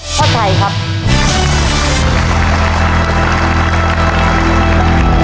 ภายในเวลา๓นาที